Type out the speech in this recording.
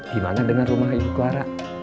gimana dengan rumah ibu clara